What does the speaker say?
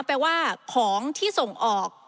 แปลว่าของที่ส่งออก